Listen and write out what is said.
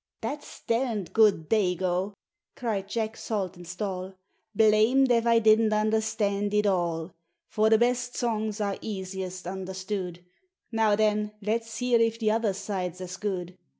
"That's derned good Dago," cried Jack Saltonstall; "Blamed ef I didn't understand it all. For the best songs are easiest understood: Now then let's hear if t'other side's as good!